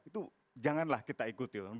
itu janganlah kita ikuti